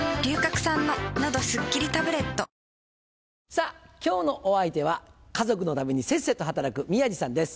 さぁ今日のお相手は家族のためにせっせと働く宮治さんです。